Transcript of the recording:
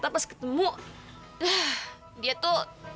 bret apes ketemu iyo